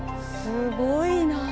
すごいな。